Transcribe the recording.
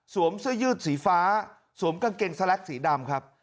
เสื้อยืดสีฟ้าสวมกางเกงสแล็กสีดำครับ